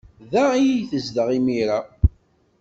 Da ay tezdeɣ imir-a.